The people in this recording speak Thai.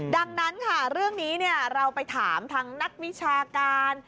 ดังนั้นค่ะเรื่องนี้เราไปถามทางนักวิชาการ